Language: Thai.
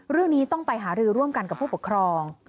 เรื่องนี้ต้องไปหารือร่วมกันกับผู้ปกครอง